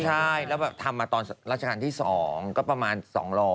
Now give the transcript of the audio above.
ใช่แล้วแบบทำมาตอนราชการที่๒ก็ประมาณ๒๐๐